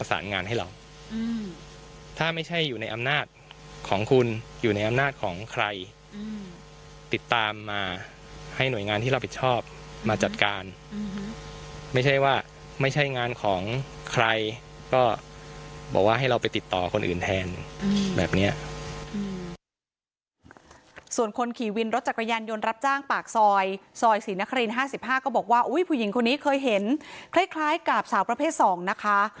ส่วนคนขี่วินรถจักรยานยนต์รับจ้างปากซอยซอยศรีนคริน๕๕ก็บอกว่าอุ้ยผู้หญิงคนนี้เคยเห็นคล้ายกับสาวประเภท๒นะคะ